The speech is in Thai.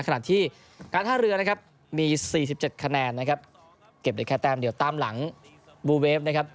ขณะที่การท่าเรือนะครับมี๔๗คะแนนนะครับเก็บได้แค่แต้มเดียวตามหลังบูเวฟนะครับ